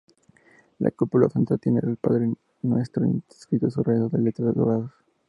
La cúpula central tiene el Padre Nuestro inscrito a su alrededor en letras doradas.